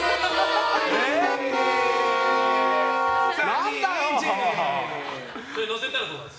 何だよ！